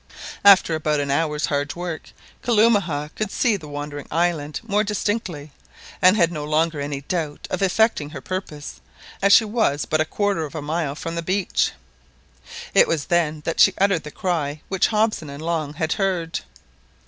After about an hour's hard work, Kalumah could see the wandering island more distinctly, and had no longer any doubt of effecting her purpose, as she was but a quarter of a mile from the beach. It was then that she uttered the cry which Hobson and Long had heard.